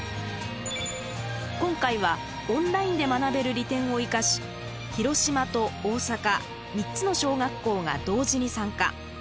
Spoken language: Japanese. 今回はオンラインで学べる利点を生かし広島と大阪３つの小学校が同時に参加。